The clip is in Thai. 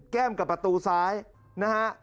แก้มกับประตูซ้ายนะฮะ